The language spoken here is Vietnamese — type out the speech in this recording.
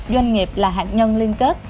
doanh nghiệp là hạt nhân liên kết